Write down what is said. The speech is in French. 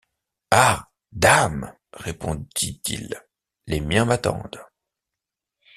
Ah! dame ! répondit-il, les miens m’attendent...